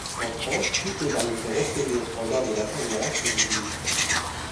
En France, toutes les variétés reconnues au standard des lapins de races sont admises.